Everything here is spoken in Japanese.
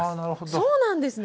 そうなんですね！